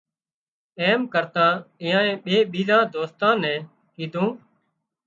ايم ڪرتا ايئان ٻي ٻيزان دوستان نين ڪيڌون